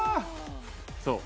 そう。